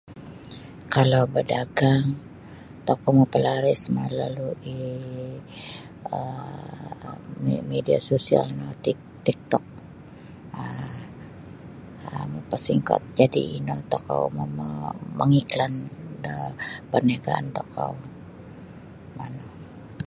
Kalau badagang tokou mapalaris malalui' um media sosial no tik tik tok um mapasingkot jadi' ino tokou mangiklan da parniagaan tokou manu.